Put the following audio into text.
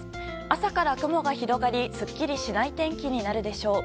朝から雲が広がりすっきりしない天気になるでしょう。